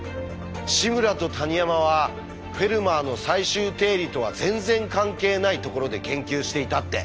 志村と谷山は「フェルマーの最終定理」とは全然関係ないところで研究していたって。